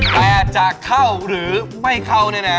แต่จะเข้าหรือไม่เข้าแน่